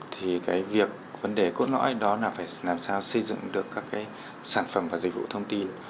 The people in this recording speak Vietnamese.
thì cái việc vấn đề cốt lõi đó là phải làm sao xây dựng được các cái sản phẩm và dịch vụ thông tin